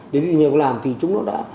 đến tỉnh nhà làm thì chúng nó đã